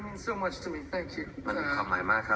มันเป็นคำใหม่มากครับสำหรับเค้า